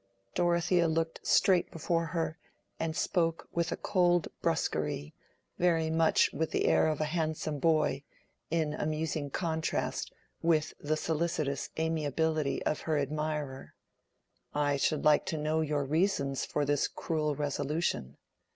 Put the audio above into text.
Dorothea looked straight before her, and spoke with cold brusquerie, very much with the air of a handsome boy, in amusing contrast with the solicitous amiability of her admirer. "I should like to know your reasons for this cruel resolution.